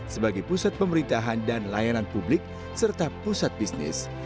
sebagai pusat pemerintahan dan layanan publik serta pusat bisnis